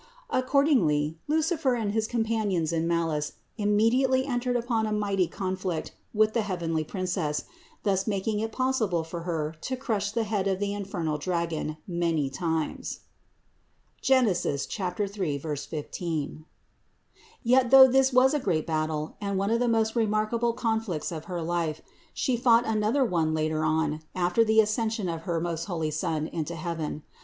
Accordingly Lucifer and his com panions in malice immediately entered upon a mighty conflict with the heavenly Princess, thus making it pos sible for Her to crush the head of the infernal dragon many times (Gen. 3, 15). Yet, though this was a great battle, and one of the most remarkable conflicts of her life, She fought another one later on after the Ascension of her most holy Son into heaven.